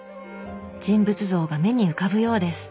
人物像が目に浮かぶようです。